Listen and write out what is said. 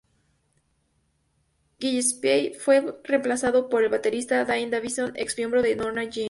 Gillespie fue reemplazado por el baterista Daniel Davison, ex-miembro de Norma Jean.